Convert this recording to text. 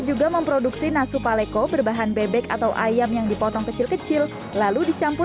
juga memproduksi nasu paleko berbahan bebek atau ayam yang dipotong kecil kecil lalu dicampur